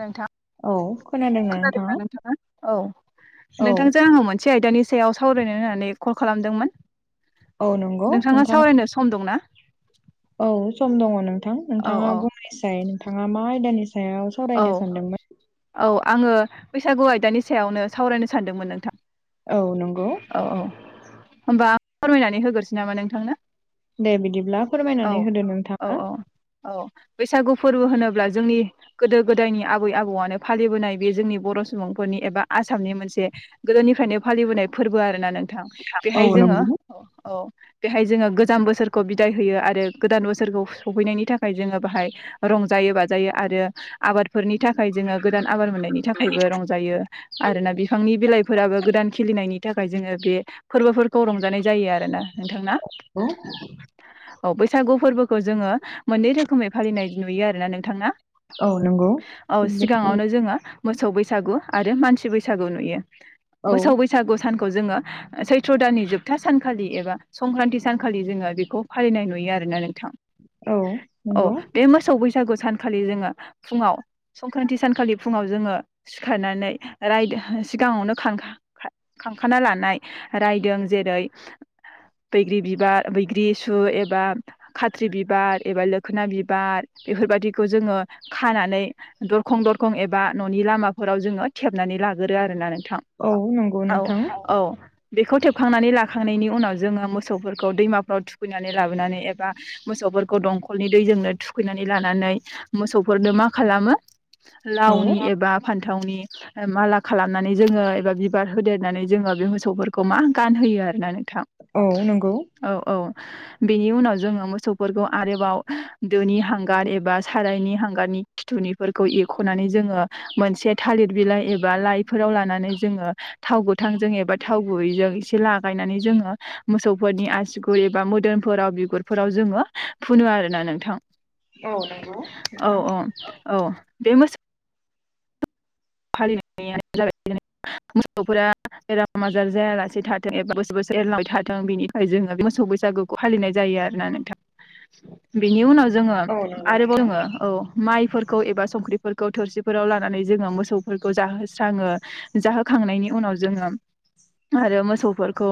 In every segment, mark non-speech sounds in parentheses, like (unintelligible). नोंथां। औ खोनादोंना नोंथाङा? नोंथांङा? औ नोंथांजों आं मोनसे आयदानि सायाव सावरायनो होननानै कल खालामदोंमोन औ नंगौ नोंथांङा नोंथाङा सावरायनो सम दंना? औ सम दंङ नोंथां औ नोंथांङा औ बुंनायसाय नोंथांङा मा आयदानि सा सायाव औ सावरायनो सानदोंमोन। औ आंङो बैसागु आयदानि सायावनो सावरायनो सानदोंमोन नोंथां। औ नंगौ। औ औ होमबा आं फोरमायनानै होगोरनोसै नामा नोंथांनो? दे बिदिब्ला औ फोरमायनानै होदो औ नोंथांङा। औ बैसागु फोरबो होनोब्ला जोंनि गोदो गोदायनि आबै आबौआनो फालिबोनाय बे जोंनि बर' सुबुंफोरनि एबा आसामनि मोनसे गोदोनि फ्रायनो फालिबोनाय फोरबो आरो ना नोंथां औ बेहाय जोंङो नंगौ। औ बेहाय जोंङो गोजाम बोसोरखौ बिदाय होयो आरो गोदान बोसोरखौ सफैनायनि थाखाय जोंङो बाहाय रं रंजायो बाजायो आरो आबादफोरनि थाखाय जोंङो गोदान आबाद मोननायनि थाखायबो रंजायो आरोना बिफांनि बिलाइफोराबो गोदान खिलिनायनि थाखाय जोंङो बे फोरबोफोरखौ रंजानाय जायो आरोना नोंथांना। औ बैसागु फोरबोखौ जोंङो मोननै रोखोमै फालिनाय नुयो आरोना नोंथांना। औ नंगौ। सिगांङावनो जोंङो मोसौ बैसागु आरो मानसि बैसागु नुयो। औ मोसौ बैसागु सानखौ जोंङो ओ सैथ्र' दाननि जोबथा सानखालि एबा संक्रान्ति सानखालि जोंङो बेखौ फालिनाय नुयो आरोना नोंथां औ औ नंगौ बे मोसौ बैसागु सानखालि जोंङो फुंङाव संक्रान्ति सानखालि फुंङाव जोंङो सिखारनानै राय सिगांङावनो खांखाना लानाय रायदों जेरै बैग्रि बिबार बैग्रि सु एबा खाथ्रि बिबार एबा लोखोना बिबार बेफोरबादिखौ जोंङो खानानै दरखं दरखं एबा न'नि लामाफोराव जोंङो थेबनानै लागोरो आरो ना नों थां औ नंगौ औ नोंथां औ। बेखौ थेबखांनानै लाखांनायनि उनाव जोंङो मोसौफोरखौ दैमाफ्राव थुखैनानै लाबोनानै एबा मोसौखौ फोरखौ दंखलनि दैजोंनो थुखैनानै लानानै मोसौफोरनो मा खालामो औ लावनि एबा फान थावनि माला खालामनानै जोंङो एबा बिबार होदेरनानै जोंङो बे मोसौफोरखौ मा गानहोयो आरो ना नों थां औ नंगौ औ औ। बेनि उनाव जोंङो मोसौफोरखौ आरोबाव दोनि हांगार एबा सारायनि हांगारनि खिथुनिफोरखौ एरख'नानै जोंङो मोनसे थालिर बिलाइ एबा लाइफोराव लानानै जोंङो थाव गोथांजों एबा थाव गुबै जों लागायनानै जोंङो मोसौफोरनि आसुगुर एबा मोदोफोराव बिगुरफोराव जोंङो फुनो। आरोना नोंथां। औ। नंगौ औ नोंथां औ औ बे मोसौ फालिनाय जाब मोसौफोरा बेराम आजार जायालासे थाथों एबा बोसोर बो एरलांबाय थाथों बेनिफ्राय जोंङो बे मोसौ बैसागुखौ फालिनाय जायो आरोना नोंथां। बिनि उनाव जोंङो औ नंगौ आरोबाव नोंथां जोंङो औ माइफोरखौ एबा संख्रिफोरखौ थोरसिफोराव लानानै जोंङो मोसौ फोरखौ जाहोस्रांङो जाहोखांनायनि उनाव जोंङो आरो मोसौफोरखौ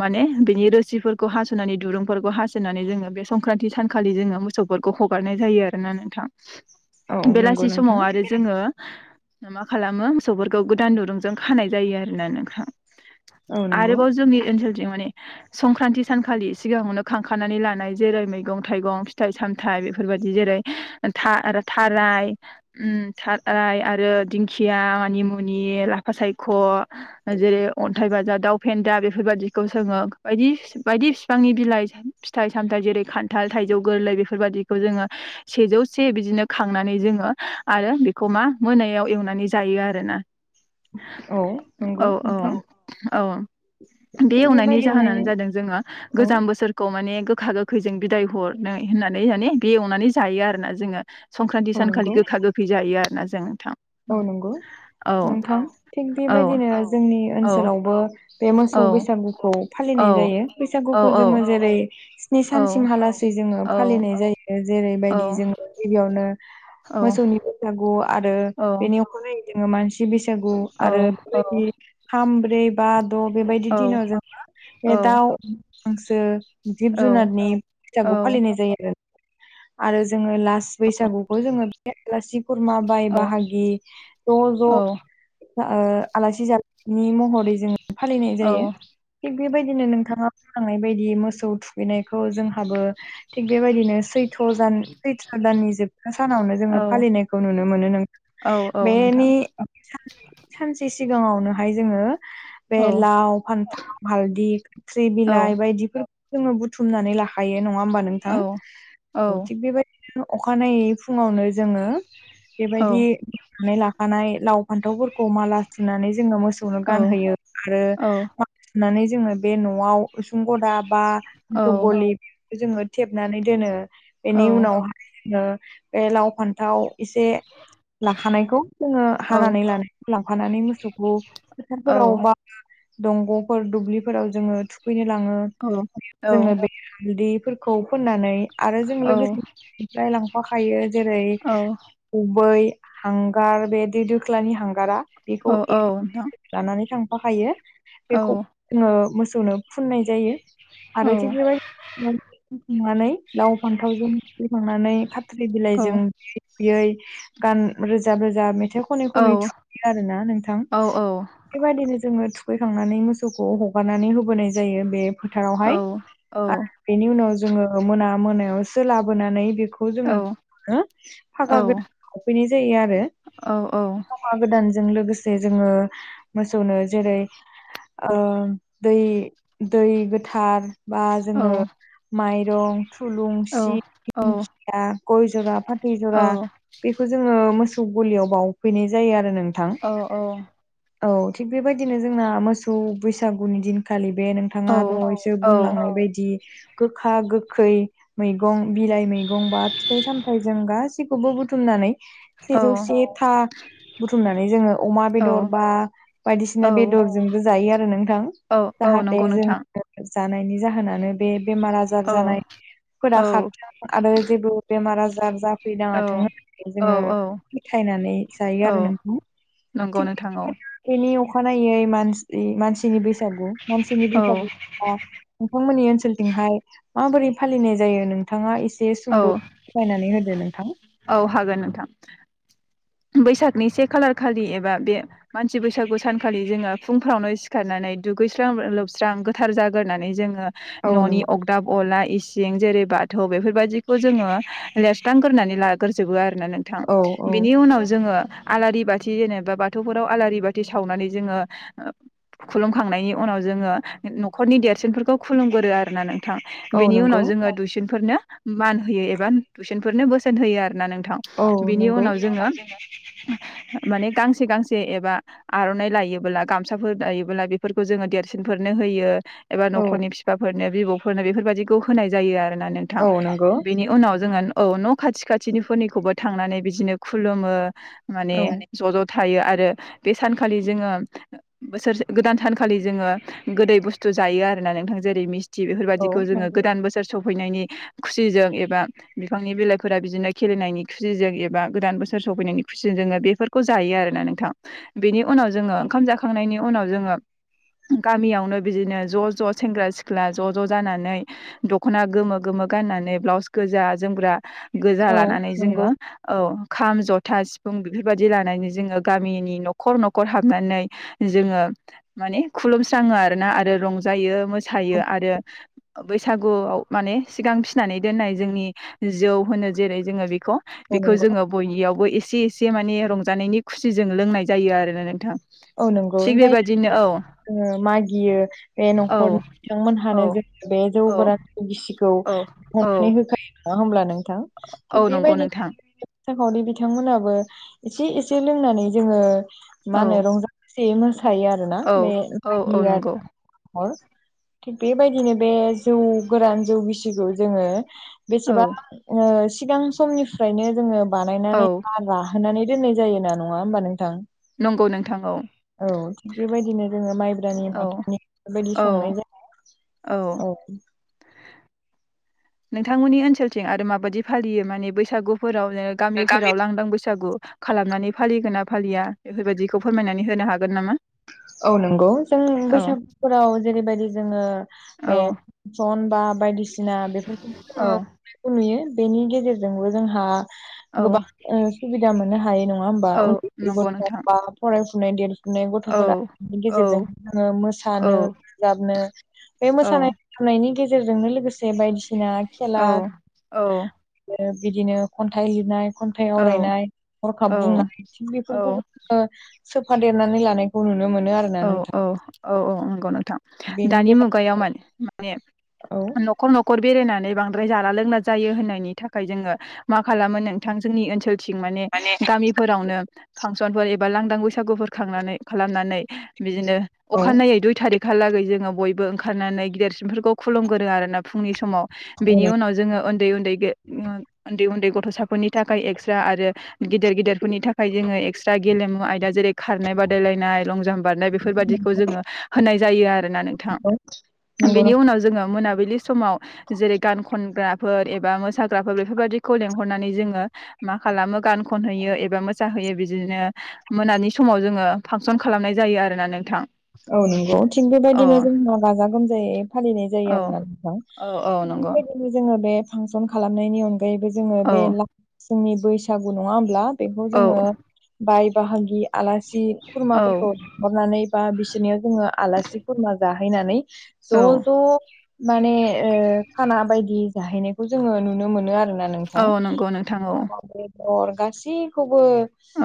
माने बिनि रोसिफोरखौ हास'नानै दुरुंफोरखौ हास'नानै जोंङो बे संक्रान्ति सानखालि जोङो मोसौफोरखौ हगारनाय जायो आरो ना नोंथां। औ नंगौ बेलासि समाव नोंथां आरो जोङो मा खालामो मोसौफोरखौ गोदान दुरुंजों खानाय जायो आरोना नोंथां। औ नंगौ आरोबाव जोंनि ओनसोलथिं माने संक्रान्ति सानखालि सिगाङावनो खांखानानै लानाय जेरै- मैगं-थाइगं, फिथाइ-सामथायाइ बेफोर बाय दि जेरै- था आरो थाराय उम थाराय आरो खिया मानि-मुनि ला फासायख' जेरै- अन्थाइ बाजा, दाउ फेन्दा बेफोर बायदिखौ जोङो बायदि बायदि बिफांनि बिलाइ, फिथाइ-सामथाइ जेरै- खान्थाल थाइजौ गोरलै बेफोरबादिखौ जोङो सेजौ से बिदिनो खांनानै जोङो आरो बेखौ मा मोनायाव एवनानै जायो आरोना। औ। नंगौ नोंथां औ-औ-औ। बे थिग एवनायनि जाहोनानो बेबायदिनो जादों जोङो औ गोजाम बोसोरखौ माने गो खा-गोखैजों बिदाय हरनाय होननानै माने बे एवनानै जायो आरो ना जोङो। संक्रान्ति औ सानखालि नंगौ गोखा-गोखै जायो आरोना जों थां। औ नंगौ। नोंथां थिग औ बेबायदिनो जोंनि औ ओनसोलावबो बे औ मोसौ बैसागुखौ फालि औ नाय जायो । औ बैसागुखौ जोङो जेरै- स्नि औ सानसिमहालिसै जोङो फालिनाय जायो जे औ रै गिबियावनो औ मोसौनि बैसागु आरो औ बेनि अखानायै जोङो मानसि बैसागु औ आरो बेबायदि थाम ब्रै बा द' बेबायदि औ दिनाव जोंङो बे दाउ-हांसो औ जिब-जुनारनि बैसागु फालिनाय जायो आरो। आरो जोङो लास बैसागुखौ जोङो बे आलासि-खुरमा, बाय-बाहा गि ज'-ज' ओ आलासि जानाय नि महरै जोङो फालिनाय जायो। थिग बेबायदिनो नोंथाङा बुंलांनाय बायदि मोसौ थुखैनायखौ जोंहाबो थिग बेबायदिनो सैथ'' जान सैथ्र दाननि जोबथा सानावनो जोङो औ फालिनायखौ नुनो मोनो नोंथां। औ औ बेनि नोंथां सानसे सिगाङावनोहाय जोङो बे औ लाव, फान्थाव, हालदि, खाथ्रि औ बिलाइ बायदिफोर जोङो बुथुमनानै लाखायो, नङा होमबा नोंथां? औ औ थिग बेबायदिनो अखानायै फुङावनो जोङो बेबायदि बुथुमनानै नानै लाखानाय लाव फान्थावफोरखौ माला सुनानै जो ङो मोसौनो गानहोयो आरो माला सुनानै जोङो बे न'आव उसुं गदा बा मोसौ गलि बेफोरावजोङो थेबनानै दोनो। बेनि उनावहाय जोङो बे लाव फान्थाव इसे लाखानायखौ जोङो औ हानानै लानायखौ लांफानानै मोसौखौ फोथारफोराव औ बा दंग'फोर दुब्लिफोराव जोङो थुखैनो लाङो, औ नोंथां औ जोङो बे हालदि फोननानै आरो जों लोगोसेफ्राय लांफाखायो जेरै-थाव गुबै हांगार बे दै दोख्लानि हांगारा बेखौ एसे लानानै थांफाखायो। बेखौ जोङो मोसौनो फुननाय जायो। आरो थिद बेबायदिनो मोसौनाव फोनखांनानैै लाव-फान्थावजों खुबैखांनानै खाथ्रि बिलाइजों बुयै बुयै गान रोजाब रोजाब मे थाय खनै-खनै थुखोयो आरोना नोंथां। बेबायदिनो जोङो थु खैखांनानै मोसौखौ हगारनानै होबोनाय जायो बे फोथारावहाय आरो बेनि उनाव जोङो मोना मोनायावसो लाबोनानै बि खौ जोङो फागा गोदानाव सोफैनाय जायो आ‌ रो फागा गोदानजों लोगोसे जोङो मोसौनो जेरै- ओ दै दै गोथार बा जोङो माइरं, थुलुंसि, दिंखिया, गय जरा, फा फाथै जरा बेखौ जोङो मोसौ गलियाव बावफैनाय जायो आरो नों औ औ औ थिग बेबायदिनो जोंना मोसौ बैसागुनि दिनखालि बे नोंथाङा औ दहायसो बुंलांनाय बायदि गोखा गोखै मैगं बिलाइ मैगं बा फिथाइ सामथाइ जों गासिखौबो बुथुम औ सेजौ सेथा बुथुमनानै जोङो अमा बेदर बा बायदिसिना बेदरजोंबो जायो आरो नोंथां नंगौ जाहाथे नोंथां जोङो जानायनि जाहोनानो बे बेमार आजार औ जानाय फोरा औ खारथों आरो जेबो बेमार आजार जाफैनाङा थों औ जोङो औ फथायनानै जायो औ आरो नोंखौ नंगौ थिग नोंथां बे नि अखानायै मान मानसिनि बैसागु मानसिनि औ बैसागु नोंथांमोननि ओनसोलथिंहाय माबोरै फालिनाय जायो नोंथाङा इसे औ सुंद' सायनानै होदो नोंथां औ हागोन नोंथां बैसागनि से खालार खालि एबा बे मानसि बैसागु सानखालि जोङो फुंफ्रावनो सिखारनानै दुगैस्रां लोबस्रां गोथार जाग्रोननानै जोङो औ न'नि नंगौ अरदाब अला इसिं जेरै बाथौ बेफोरबायदिखौ जोङो ले हांग्रोनानै लाग्रोजोबो आरोना नोंथां औ औ बिनि उनाव जोङो आलारि बाथि जेनेबा बाथौफोराव आलारि बाथि सावनानै जोङो ओ खुलुमखांनायनि उनाव जोङो न'खरनि देरसिनफोरखौ खुलुमगोरो आरोना नोंथां औ बेनि नंगौ उनाव जोङो दुइसिनफोरनो मान होयो एबा दुइसनफोरनो बोसोन होयो आरोना नोंथां औ बिनि नंगौ उनाव जोङो माने गांसे गांसे एबा आर'नाइ दायोबोब्ला गामसाफोर दायोबोब्ला बेफोरखौ जोङो देरसिन फोरनो होयो एबा औ न'खरनि फिफाफोरनो बिबौफोरनो बेफोरबायाददिखौ होनाय जायो आरो नोंथां औ नंगौ बिनि उनाव जोङो औ न' खाथि खाथिनि फोरनिखौबो थांनानै बिदिनो खुलुमो माने औ ज' ज' थायो आरो बे सानखालि जोङो बोसोरसे गोदान सानखालि जोङो गोदै बुस्थु जायो आरो ना नोंथां जेरै मिस्थि बेफोर बादि औ खौ जोङो नंगौ गोदान बोसोर सौफै फैनायनि खुसिजों एबा बिफांनि बिलाइफोरा बिदिनो खेलेनायनि खुसिजों एबा गोदान बोसोर सफैनायनि खुसिजों जोङो बेफोरखौ जायो आरोना नोंथां बेनि उनाव जोङो ओंखाम जाखांनायनि उनाव उनाव जोङो गामियावनो बिदिनो ज' ज' सेंग्रा सिख्ला ज' ज' जानानै दख'ना गोमो गोमो गाननानै ब्लाउस गोजा जोमग्रा गोजा औ लानानै नंगौ जोङो औ खाम जथा सिफुं बेफोरबायादि लानानै जोङो गामिनि न'खर न'खर हाबनानै जोङो माने खुलुमस्राङो आरो ना आरो रंजायो मोसायो आरो बैसागुआव माने सिगां फिसिनानै दोननाय जोंनि जौ होनो जेरै जोङो बे खौ औ बेखौ नंगौ जोङो बेयावबो एसे एसे माने रंजानायनि खुसिजों लोंनाय जायो आरोना नोंथां थिग बे बायदिनो औ ओ मागियो बे औ न'खरनि बिथांमोनहानो औ जों बे जौ औ गोरानखौ गिसिखौ औ खौ औ अननानै होखायो नङा होमब्ला नोंथां औ थिग नंगौ बेबायदिनो नोंथां मोसाखावरि बिथांमोनाबो एसे एसे लोंनानै जोङो औ मा होनो रंजा खुसियै मोसायो आरो ना औ बे (unintelligible) औ औ नंगौ हर थिग बेबायदिनो बे जौ गोरान जौ गिसिखौ जोङो औ बेसेबां सिगां समनिफ्रायनो जोङो बानायनानै औ (unintelligible) होनानै दोननाय जायोना नङा होमबा नोंथां नंगौ नोंथां औ औ थिग बेबायदिनो जोङो माइब्रानि औ माथानि बेबायदि औ संनाय जाय औ नोंथांमोननि ओनसोलथिं आरो माबायदि फालियो माने बैसागुफोराव गामिफोराव लांदां बैसागु खालामनानै फालिगोन ना फालिया बेफोरबायाददिखौ फोरमायनानै होनो हागोन नामा औ नंगौ जों औ बैसागुफोराव जेरैबायदि जोङो औ बेसन बा बायदिसिना बेफोरखौ औ जोङखौ नुयो बेनि गेजेरजोंबो जोंहा औ गोबां सुबिदा मोननो हायो नङा होमबा औ उन्दैै नंगौ गथ' नोंथां बा फरायफुनाय देर ने औ गथ'फोरा। औ गेजेरजों जोङो औ मोसानो रोजाबनो बे औ मोसानायनायनि गेजेरजों गेजेरजोंनो लोगोसे बायदिसिना खेला औ बिदिनो खन्थाइ लिरनाय खन्थाइ औ आवरायनाय हरखाब बुंनाय औ थिग औ बेफोरखौबो सोफादेरनानै लानाय औ औ औ औ नंग नथां बेनि दानि मुगायाव माने बेलायाव न'खर न'खर बेरायनानै बांद्राय जान लों जायो होननायनि थाखाय जोङो मा खालामो नोंथां जोंनि ओनसोल थं माने गामिफोरावनो फांसनफोर एबा लांदां बैसागुफोर खांनानै खालामनानै बिदिनो औ अखानायै दुइ थारिख बेखालागै जोङो बयबो ओंखारनानै गिदेरसिनफोरखौ खुलुमगोरो आरोोना फुंनि समाव औ बेनि नंगौ उनाव जोङो उन्दै उन्दै। उन्दै उन्दै गथ'साफोरनि थाखाय एक्सट्रा आरो गेदेर गेदेरफोरनि थाखाय जोङो एक्सट्रा गेलेमु आयदा जेरै खारनाय बादायलायनाय आइलं। बारनाय बेफोरबायदिखौ जोङो होनाय जायो आरोना नोंथां नंगौ बिनि नंगौ उनाव जोङो मोना बिलि समाव जेरै गान खनग्राफोर एबा मोसाग्राफोर बेफोरबायाददिखौ लेंहरनानै जोङो मा खालामो गान खनहैयो एबा मोसाहैयो बिदिनो मोनानि समाव जोङो फांसन खालामनाय। जायो आरोना नोंथां। औ नंगौ थिग औ बेबायदिनो जोंहा गाजा गोमजायै फालिनाय जायो आरो औ नों औ औ नंगौ बेदिनो जोङो बे फांसन खालामनायनि अनगायैबो जोङो औ बे ला फुंनि बैसागु नङा होमब्ला। बेखौ औ जोङो बाय बाहागि आलासि औ खुरमाफोरखौहरनानै बिसोरनियाव जोङो आलासि खुरमा जाहैनानै ज' औ ज' माने खाना बायदि जाहैनायखौ जोङो नुनो मोनो आरोना नोंथां औ नंगौ नोंथां औ म अर गासैखौबो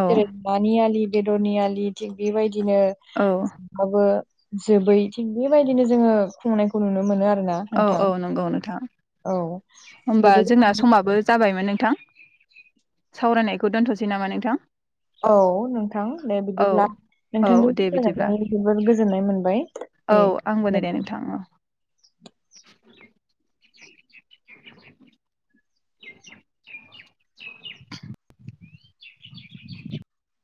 औ जेरै नानियालि बेदरनि आलि थिग बेबायदि बिदिनो औ जाबो जोबै थि बेबायदिनो जोङो खुंनायखौ नुनो मोनो आरो औ औ नंगौ नोंथां हबा गोदो जोंना समाबो जाबायमोन नोंथां सावरायनायखौ दोनथ'सै नामा नोंथां औ नोंथां दे औ बिदिब्ला औ नोंथांजों दे बिदिब्ला सोलरायनानै जोबोर गोजोननाय मोनबाय औ आंबो नाय दे नोंथां औ (unintelligible) (unintelligible)